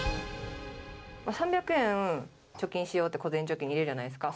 ３００円貯金しようって、小銭貯金入れるじゃないですか。